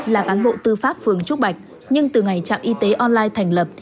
làng án bộ tư pháp phường trúc bạch nhưng từ ngày trạm y tế online thành lập